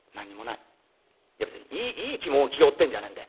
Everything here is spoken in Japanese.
「いや別にいい着物着ようってんじゃねえんだ。